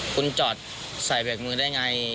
คุณจอดใส่แบบมือได้อย่างไร